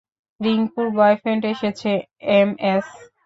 রিংকুর boyfriend এসেছে, MS.